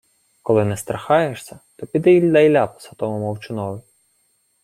— Коли не страхаєшся, то піди й дай ляпаса тому мовчунові...